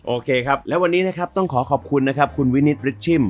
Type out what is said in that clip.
โอเคครับแล้ววันนี้นะครับต้องขอขอบคุณนะครับคุณวินิตริชชิม